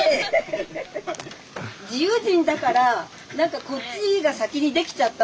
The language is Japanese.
自由人だから何かこっちが先できた？